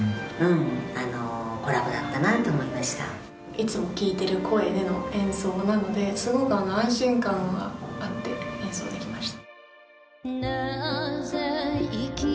いつも聴いてる声での演奏なのですごく安心感はあって演奏できました。